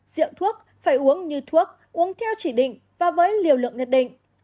diệu thuốc phải uống như thuốc uống theo chỉ định và với liều lượng nhất định